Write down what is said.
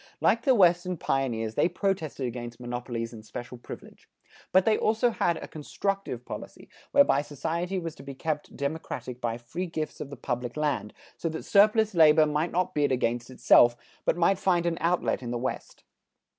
Like the Western pioneers, they protested against monopolies and special privilege. But they also had a constructive policy, whereby society was to be kept democratic by free gifts of the public land, so that surplus labor might not bid against itself, but might find an outlet in the West.